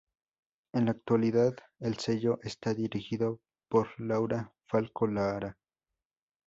En la actualidad el sello está dirigido por Laura Falcó Lara.